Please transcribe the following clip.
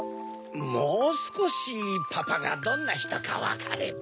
もうすこしパパがどんなひとかわかれば。